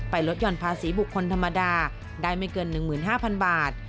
ลดหย่อนภาษีบุคคลธรรมดาได้ไม่เกิน๑๕๐๐๐บาท